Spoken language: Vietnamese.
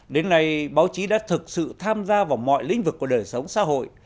đến nay báo chí đã thực sự tham gia vào mọi lĩnh vực của đời sống xã hội